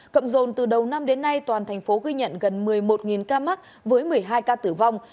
cộng dồn từ đầu năm đến nay toàn thành phố ghi nhận gần một mươi một ca mắc với một mươi hai ca tử vong